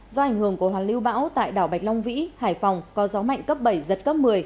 do ảnh hưởng của hoàn lưu bão tại đảo bạch long vĩ hải phòng có gió mạnh cấp bảy giật cấp một mươi